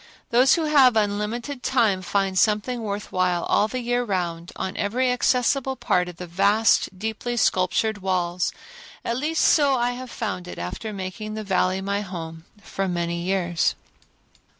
Those who have unlimited time find something worth while all the year round on every accessible part of the vast deeply sculptured walls. At least so I have found it after making the Valley my home for years.